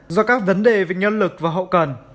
do các vấn đề về nhân lực và hậu cần